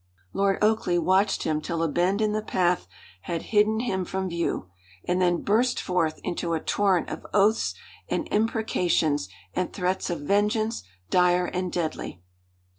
Lord Oakleigh watched him till a bend in the path had hidden him from view, and then burst forth into a torrent of oaths and imprecations and threats of vengeance, dire and deadly.